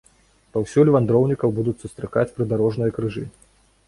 Паўсюль вандроўнікаў будуць сустракаць прыдарожныя крыжы.